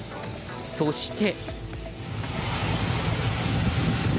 そして。